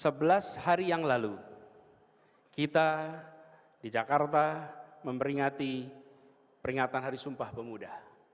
sebelas hari yang lalu kita di jakarta memperingati peringatan hari sumpah pemuda